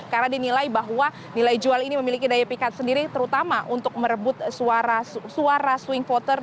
karena dinilai bahwa nilai jual ini memiliki daya pikat sendiri terutama untuk merebut suara swing voter